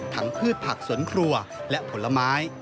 พืชผักสวนครัวและผลไม้